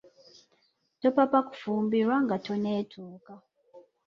Topapa kufumbirwa nga tonetuuka.